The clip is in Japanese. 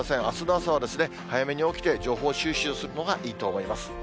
あすの朝は早めに起きて、情報収集するのがいいと思います。